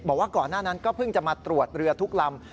บอกว่าก่อนหน้านั้นก็เพิ่งจะมาตรวจเรือทุกลำ